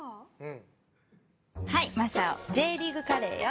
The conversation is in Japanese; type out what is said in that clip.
はいまさおＪリーグカレーよ。